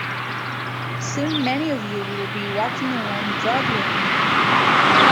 Soon many of you will be walking along Broadway.